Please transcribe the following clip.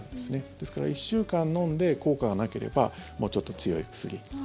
ですから１週間飲んで効果がなければもうちょっと強い薬。